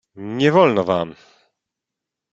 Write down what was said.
"Nie wolno wam!"